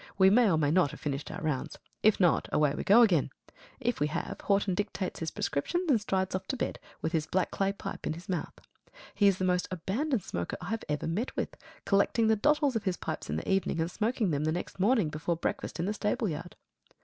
We may or may not have finished our rounds. If not away we go again. If we have, Horton dictates his prescriptions, and strides off to bed with his black clay pipe in his mouth. He is the most abandoned smoker I have ever met with, collecting the dottles of his pipes in the evening, and smoking them the next morning before breakfast in the stable yard.